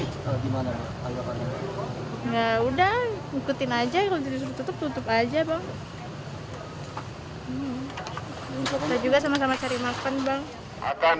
enggak udah ngikutin aja kalau disuruh tutup tutup aja bang